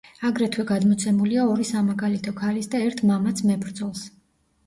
აგრეთვე გადმოცემულია ორი სამაგალითო ქალის და ერთ მამაც მებრძოლს.